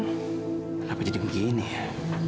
kenapa jadi begini ya